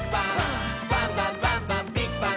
「バンバンバンバンビッグバン！」